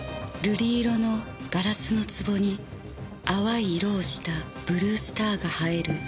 「瑠璃色のガラスの壺に淡い色をしたブルースターが映える」